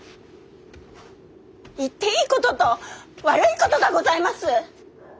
言っていいことと悪いことがございます！